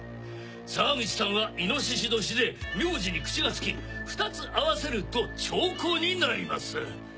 沢口さんは猪年で名字に「口」がつき２つ合わせると猪口になります。